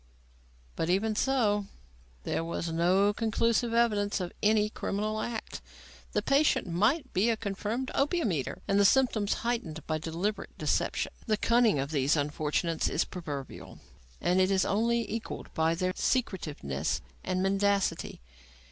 But even so, there was no conclusive evidence of any criminal act. The patient might be a confirmed opium eater, and the symptoms heightened by deliberate deception. The cunning of these unfortunates is proverbial and is only equalled by their secretiveness and mendacity.